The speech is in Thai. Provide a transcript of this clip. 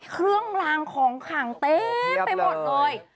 เครื่องลางของขังเต็มไปหมดเลย